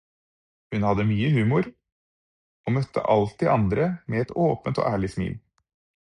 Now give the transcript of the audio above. Hun hadde mye humor, og møtte alltid andre med et åpent og ærlig smil.